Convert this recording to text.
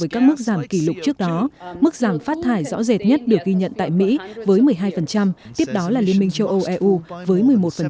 các mức giảm kỷ lục trước đó mức giảm phát thải rõ rệt nhất được ghi nhận tại mỹ với một mươi hai tiếp đó là liên minh châu âu eu với một mươi một